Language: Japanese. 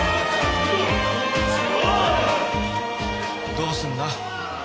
どうすんだ？